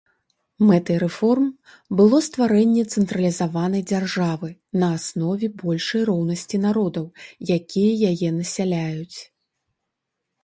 Мэтай рэформ было стварэнне цэнтралізаванай дзяржавы на аснове большай роўнасці народаў, якія яе насяляюць.